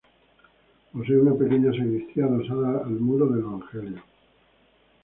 Posee una pequeña sacristía adosada al muro del Evangelio.